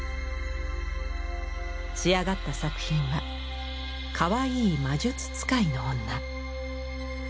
仕上がった作品は「かわいい魔術使いの女」。